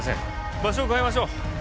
場所を変えましょう。